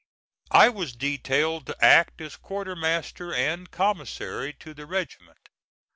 I was detailed to act as quartermaster and commissary to the regiment.